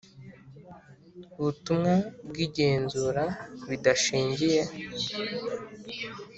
Butumwa bw igenzura bidashingiye